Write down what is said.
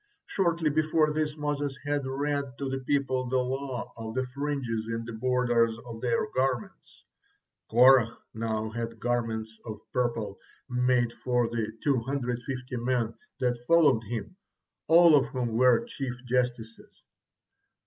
Shortly before this Moses had read to the people the law of the fringes in the borders of their garments. Korah now had garments of purple made for the two hundred fifty men that followed him, all of whom were chief justices.